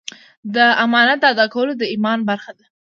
د امانت ادا کول د ایمان برخه ده.